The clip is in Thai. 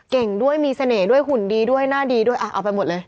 เก่งด้วยมีเสน่ห์ด้วยหุ่นดีด้วยหน้าดีด้วยเอาไปหมดเลย